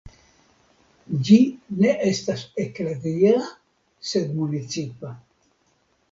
Ĝi ne estas eklezia sed municipa.